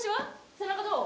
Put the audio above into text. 背中どう？